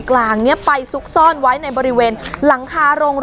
สลับผัดเปลี่ยนกันงมค้นหาต่อเนื่อง๑๐ชั่วโมงด้วยกัน